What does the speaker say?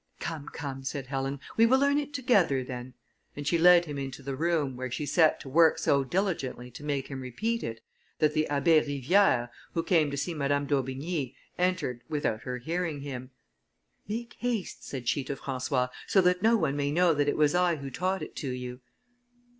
"Come, come," said Helen, "we will learn it together, then," and she led him into the room, where she set to work so diligently to make him repeat it, that the Abbé Rivière, who came to see Madame d'Aubigny, entered without her hearing him. "Make haste," said she to François, "so that no one may know that it was I who taught it to you."